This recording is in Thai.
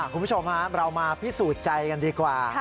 คุณผู้ชมครับเรามาพิสูจน์ใจกันดีกว่า